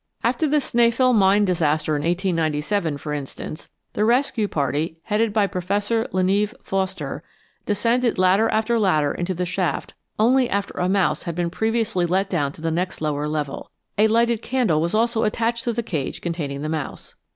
After the Snaefell Mine disaster in 1897, for instance, the rescue party, headed by Professor Le Neve Foster, descended ladder after ladder in the shaft only after a mouse had been previously let down to the next lower level. A lighted candle also was attached to the cage containing the mouse.